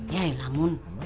yai lah mun